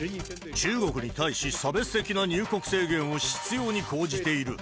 中国に対し、差別的な入国制限を執ように講じている。